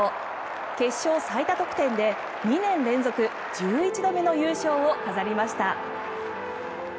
決勝最多得点で２年連続１１度目の優勝を飾りました。